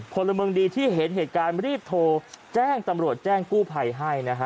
พลเมืองดีที่เห็นเหตุการณ์รีบโทรแจ้งตำรวจแจ้งกู้ภัยให้นะฮะ